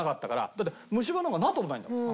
だって虫歯なんかなった事ないんだもん。